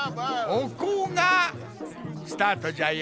ここがスタートじゃよ。